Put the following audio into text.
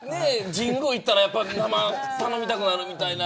神宮に行ったら生、頼みたくなるみたいな。